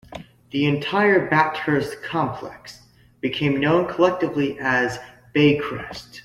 The entire Bathurst complex became known collectively as Baycrest.